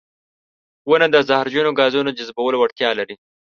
• ونه د زهرجنو ګازونو جذبولو وړتیا لري.